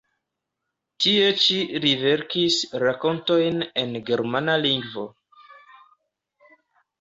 Tie ĉi li verkis rakontojn en germana lingvo.